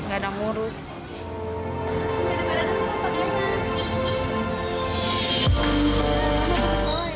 anaknya gak ada ngurus